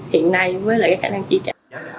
hiện nay với lại cái khả năng chi trả